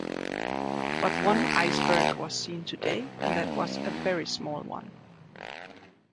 But one iceberg was seen today, and that a very small one.